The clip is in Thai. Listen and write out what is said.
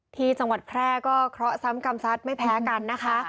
ที่จังหวัดแพร่ก็เคราะห์ซ้ำกรรมซัดไม่แพ้กันนะคะ